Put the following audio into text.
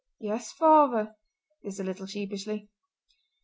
"Yes, father!"—this a little sheepishly.